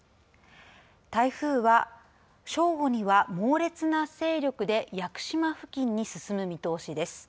台風は、正午には猛烈な勢力で屋久島付近に進む見通しです。